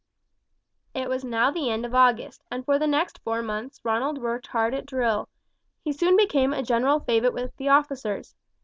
It was now the end of August, and for the next four months Ronald worked hard at drill. He soon became a general favourite with the officers.